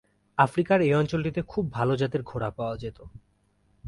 আফ্রিকার এই অঞ্চলটিতে খুব ভালো জাতের ঘোড়া পাওয়া যেত।